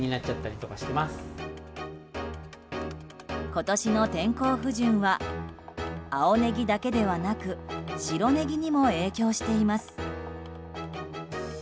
今年の天候不順は青ネギだけではなく白ネギにも影響しています。